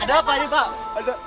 ada apa ini pak